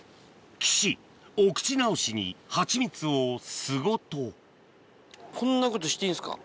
岸お口直しにハチミツを巣ごとこんなことしていいんですか？